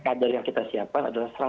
kader yang kita siapkan adalah